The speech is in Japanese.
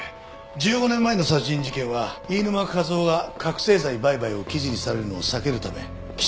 １５年前の殺人事件は飯沼和郎が覚せい剤売買を記事にされるのを避けるため岸内さんを殺害した。